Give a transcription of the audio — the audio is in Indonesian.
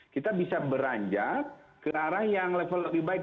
kita bisa beranjak ke arah yang level lebih baik